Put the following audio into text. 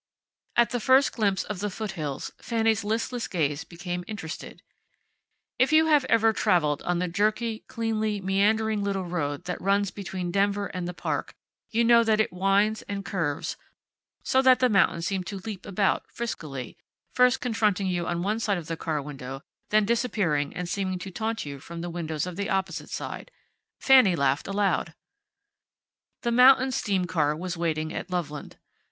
At the first glimpse of the foot hills Fanny's listless gaze became interested. If you have ever traveled on the jerky, cleanly, meandering little road that runs between Denver and the Park you know that it winds, and curves, so that the mountains seem to leap about, friskily, first confronting you on one side of the car window, then disappearing and seeming to taunt you from the windows of the opposite side. Fanny laughed aloud. The mountain steam car was waiting at Loveland.